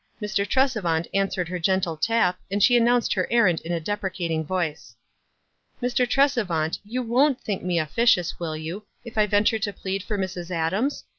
Mr. Tresevant answered her gentle tap, and she announced her errand in a deprecating voice. "Mr. Tresevant, you won't think me officious, will you, if I venture to plead for Mrs. Adams?